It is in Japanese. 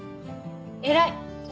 偉い！